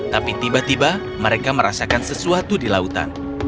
tapi tiba tiba mereka merasakan sesuatu di lautan